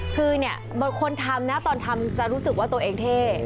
คือเนี่ยบางคนทำนะตอนทำจะรู้สึกว่าตัวเองเท่